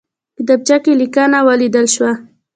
کتابچه کې لیکنه ولیدل شوه.